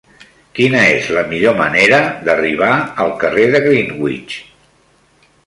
Quina és la millor manera d'arribar al carrer de Greenwich?